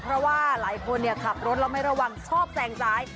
เพราะว่าหลายคนขับรถแล้วไม่ระวังชอบแซงซ้าย